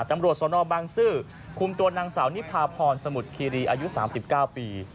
ตำรวจสนบางซื่อคุมตัวนางสาวนิพาพรสมุทรคีรีอายุ๓๙ปี